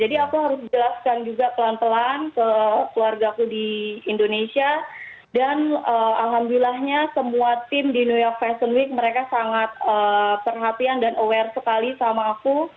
jadi aku jelaskan juga pelan pelan ke keluarga aku di indonesia dan alhamdulillahnya semua tim di new york fashion week mereka sangat perhatian dan aware sekali sama aku